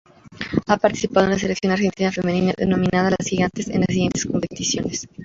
Ha participado en la Selección Argentina Femenina, denominada "las gigantes", en las siguientes competicionesː